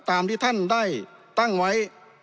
ตามที่ท่านได้ตั้งไว้